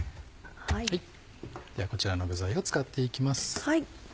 ではこちらの具材を使って行きます。